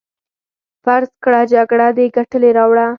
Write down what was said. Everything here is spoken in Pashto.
فرض کړه جګړه دې ګټلې راوړه.